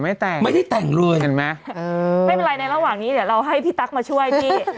ไม่เป็นไรแล้วระหว่างนี้เราให้พี่ตั๊กมาช่วยพี่